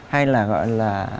hay gọi là